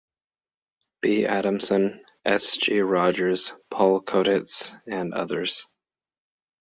B. Adamson, S. G. Rogers, Paul Koetitz, and others.